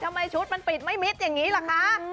ทำไมชุดมันปิดไม่มิดอย่างนี้ล่ะคะ